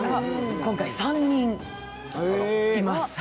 今回、３人います。